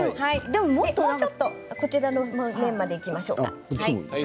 もう少しこちらの方までいきましょうか。